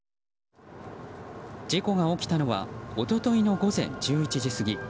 事故が起きたのは一昨日の午前１１時過ぎ。